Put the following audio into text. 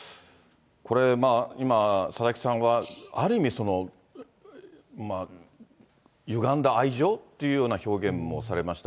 これ、今、佐々木さんがある意味、ゆがんだ愛情というような表現もされました。